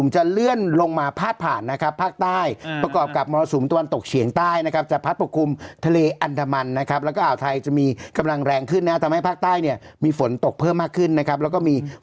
จะงบประมาณ๒๖องศาได้นี่ครั้งนึงหรือเย็นครับพี่